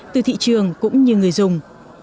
từ thị trường cũng như người dùng